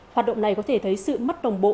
hoạt động này có thể thấy sự mất đồng bộ